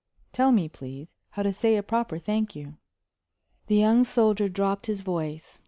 tell me, please, how to say a proper thank you." The young soldier dropped his voice.